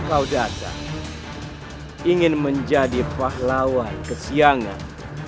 kau datang ingin menjadi pahlawan kesiangan